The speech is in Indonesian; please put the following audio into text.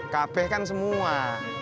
kabeh kan semua